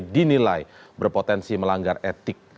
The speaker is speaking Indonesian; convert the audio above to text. dinilai berpotensi melanggar etik